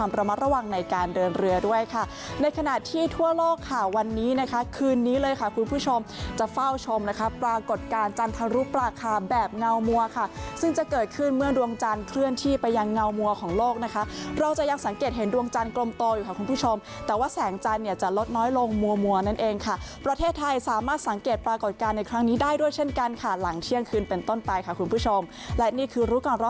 ปรากฏการณ์จันทรุปราคาแบบเงามัวค่ะซึ่งจะเกิดขึ้นเมื่อดวงจันทร์เคลื่อนที่ไปยังเงามัวของโลกนะคะเราจะยังสังเกตเห็นดวงจันทร์กลมโตอยู่ค่ะคุณผู้ชมแต่ว่าแสงจันทร์เนี่ยจะลดน้อยลงมัวนั่นเองค่ะประเทศไทยสามารถสังเกตปรากฏการณ์ในครั้งนี้ได้ด้วยเช่นกันค่ะหลังเที่ยงคืนเป็